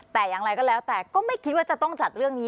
แต่อย่างไรก็แล้วแต่ก็ไม่คิดว่าจะต้องจัดเรื่องนี้